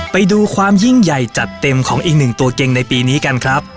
ไปดูความยิ่งใหญ่จัดเต็มของอีกหนึ่งตัวเก่งในปีนี้กันครับ